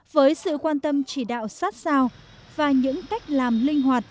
với sự quan tâm chỉ đạo sát sao và những cách làm linh hoạt